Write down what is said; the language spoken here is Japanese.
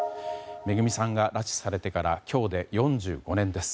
めぐみさんが拉致されてから今日で４５年です。